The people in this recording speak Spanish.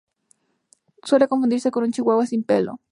Suele confundirse con un Chihuahua sin pelo.